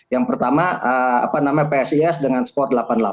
yang pertama apa namanya psis dengan sport delapan puluh delapan